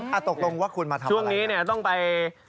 อ่าตกตรงว่าคุณมาทำอะไรช่วงนี้เนี่ยต้องไป